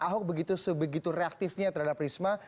karena itu reaktifnya terhadap risma